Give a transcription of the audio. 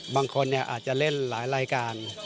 บางคนอาจจะเล่นหลายรายการ